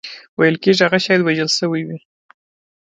ویل کېږي هغه شاید وژل شوی وي.